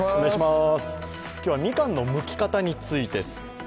今日はみかんのむき方についてです。